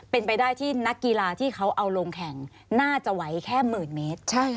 เป็นไปได้ที่นักกีฬาที่เขาเอาลงแข่งน่าจะไหวแค่หมื่นเมตร